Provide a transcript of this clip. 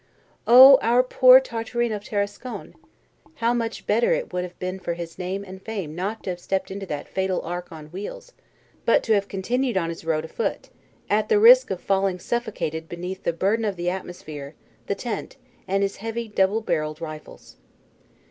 Oh, our poor Tartarin of Tarascon! how much better it would have been for his name and fame not to have stepped into that fatal ark on wheels, but to have continued on his road afoot, at the risk of falling suffocated beneath the burden of the atmosphere, the tent, and his heavy double barrelled rifles.